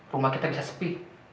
rumah kita bisa sepi